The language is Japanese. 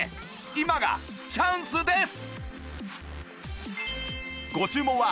今がチャンスです！